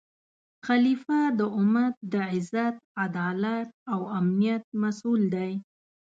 خلیفه د امت د عزت، عدالت او امنیت مسؤل دی